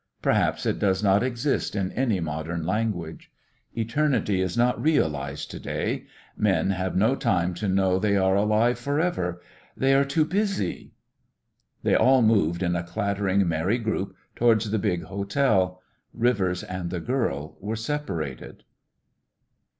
Perhaps it does not exist in any modern language. Eternity is not realised to day; men have no time to know they are alive for ever; they are too busy.... They all moved in a clattering, merry group towards the big hotel. Rivers and the girl were separated.